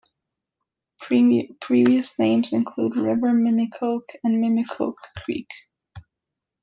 Previous names included River Mimicoke and Mimicoke Creek.